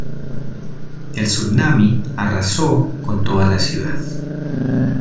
El tsunami arrasó con toda la ciudad.